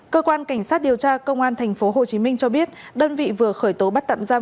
cơ quan cảnh sát điều tra công an tp hcm cho biết đơn vị vừa khởi tố bắt tạm giam